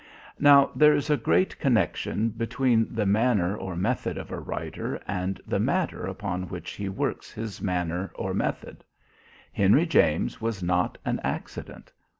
Now, there is a great connection between the manner or method of a writer and the matter upon which he works his manner or method. Henry James was not an accident.